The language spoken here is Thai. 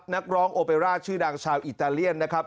นักร้องโอเปร่าชื่อดังชาวอิตาเลียนนะครับ